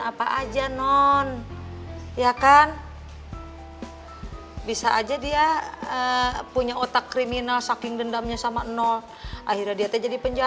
apa aja non ya kan bisa aja dia punya otak kriminal saking dendamnya sama enol akhir akhir diad trust